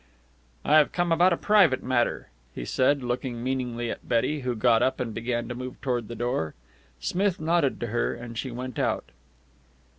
"I have come about a private matter," he said, looking meaningly at Betty, who got up and began to move toward the door. Smith nodded to her, and she went out.